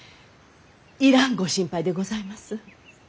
いらんご心配でございます。